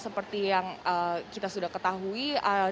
seperti yang kita sudah ketahui